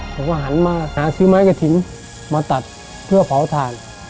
ผมก็หันมาหาซื้อไม้กระถิ่นมาตัดเพื่อเผาถ่าน